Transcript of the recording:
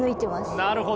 なるほど。